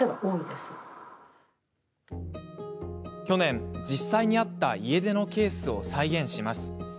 去年、実際にあった家出のケースを再現します。